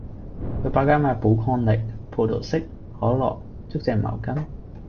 去百佳買寶礦力，葡萄式，可樂，竹蔗茅根